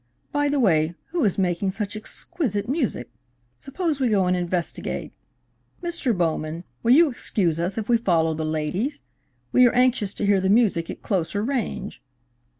By the way, who is making such exquisite music? Suppose we go and investigate. Mr. Bowman, will you excuse us if we follow the ladies? We are anxious to hear the music at closer range."